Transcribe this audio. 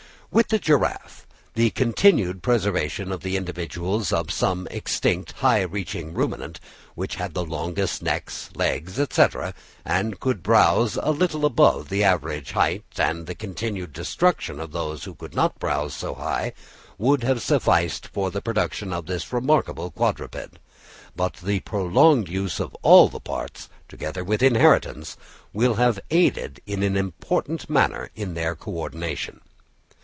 With the giraffe, the continued preservation of the individuals of some extinct high reaching ruminant, which had the longest necks, legs, &c., and could browse a little above the average height, and the continued destruction of those which could not browse so high, would have sufficed for the production of this remarkable quadruped; but the prolonged use of all the parts, together with inheritance, will have aided in an important manner in their co ordination.